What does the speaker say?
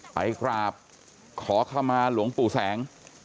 ไปกราบขอขมาหลวงปู่แสง